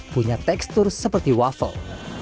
punya tekstur seperti waffle